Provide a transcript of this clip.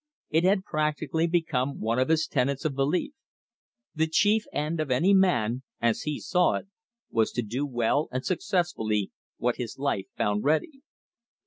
It had practically become one of his tenets of belief. The chief end of any man, as he saw it, was to do well and successfully what his life found ready.